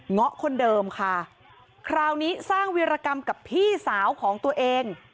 ง้อคนเดิมค่ะคราวนี้สร้างวิรกรรมกับพี่สาวของตัวเอง